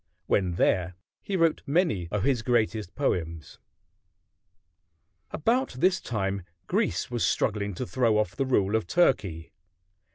When there he wrote many of his greatest poems. About this time Greece was struggling to throw off the rule of Turkey.